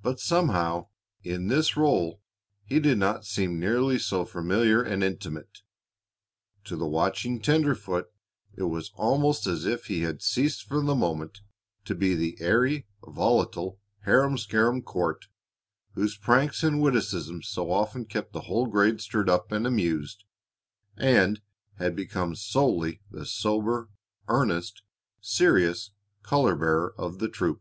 But somehow, in this rôle, he did not seem nearly so familiar and intimate. To the watching tenderfoot it was almost as if he had ceased for the moment to be the airy, volatile, harum scarum "Court," whose pranks and witticisms so often kept the whole grade stirred up and amused, and had become solely the sober, earnest, serious color bearer of the troop.